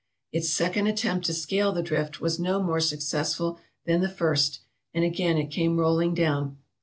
Its second attempt to scale the drift was no more successful than the first, and again it came rolling down.